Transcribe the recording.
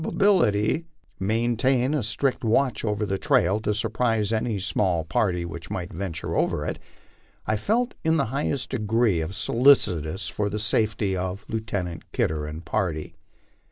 ability maintain a strict watch over the trail to surprise any small party which might venture over it, I felt in the highest degree solicitous for the safety of Lieutenant Kidder and party.